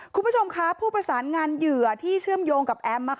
คุณผู้ชมคะผู้ประสานงานเหยื่อที่เชื่อมโยงกับแอม